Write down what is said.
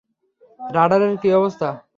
রাডারের কী অবস্থা?